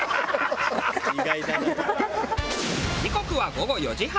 時刻は午後４時半。